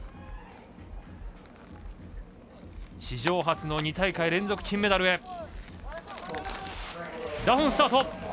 史上初の２大会連続金メダルへ。